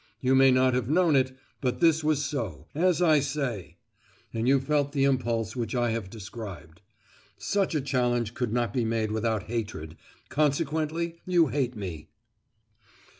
You may not have known it, but this was so, as I say; and you felt the impulse which I have described. Such a challenge could not be made without hatred; consequently you hate me."